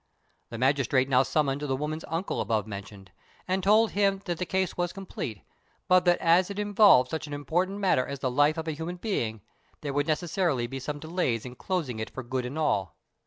The magistrate now summoned the woman's uncle above mentioned, and told him that the case was complete, but that as it involved such an important matter as the life of a human being, there would necessarily be some delay in closing it for good and all.